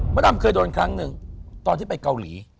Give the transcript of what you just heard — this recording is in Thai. ดำเคยโดนครั้งหนึ่งตอนที่ไปเกาหลี